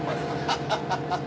ハハハハ。